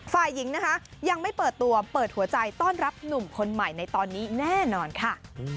ฝ่ายหญิงนะคะยังไม่เปิดตัวเปิดหัวใจต้อนรับหนุ่มคนใหม่ในตอนนี้แน่นอนค่ะ